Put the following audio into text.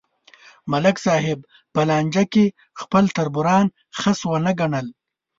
ملک صاحب په لانجه کې خپل تربوران خس ونه گڼل